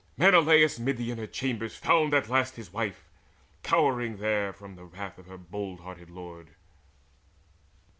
Menelaus mid the inner chambers found At last his wife, there cowering from the wrath Of her bold hearted lord.